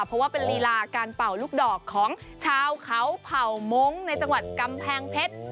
เพราะว่าเป็นลีลาการเป่าลูกดอกของชาวเขาเผ่ามงค์ในจังหวัดกำแพงเพชร